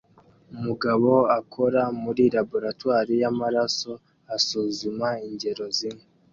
Umugabo akora muri laboratoire yamaraso asuzuma ingero zimwe